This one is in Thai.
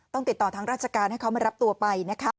ติดต่อทางราชการให้เขามารับตัวไปนะคะ